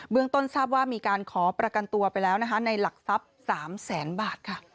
ต้นทราบว่ามีการขอประกันตัวไปแล้วนะคะในหลักทรัพย์๓แสนบาทค่ะ